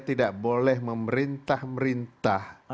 tidak boleh memerintah merintah